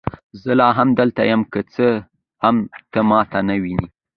زه لا هم دلته یم، که څه هم ته ما نه وینې.